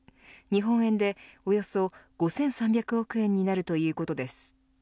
日本円でおよそ５３００億円になるということです。